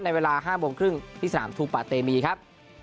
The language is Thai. ในเวลา๕๓๐นที่สนามทูปะเตมีครับ